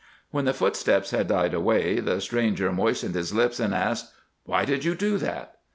When the footsteps had died away the stranger moistened his lips and asked, "Why did you do that?"